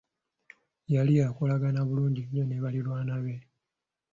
Yali akolagana bulungi nnyo ne balirwana be.